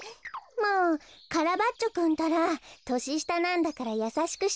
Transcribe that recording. もうカラバッチョくんったら。とししたなんだからやさしくしてあげなきゃ。